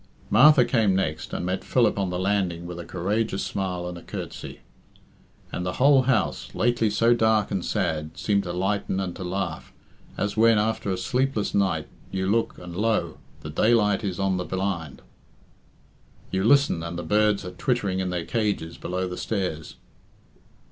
Martha came next, and met Philip on the landing with a courageous smile and a courtesy. And the whole house, lately so dark and sad, seemed to lighten and to laugh, as when, after a sleepless night, you look, and lo! the daylight is on the blind; you listen and the birds are twittering in their cages below the stairs.